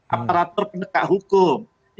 aparatur pendekat hukum